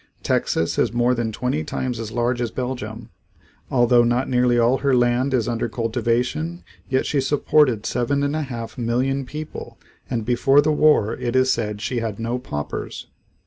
Texas is more then twenty times as large as Belgium. Although not nearly all her land is under cultivation yet she supported seven and a half million people and before the war it is said she had no paupers.